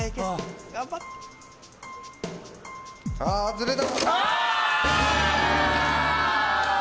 ずれた。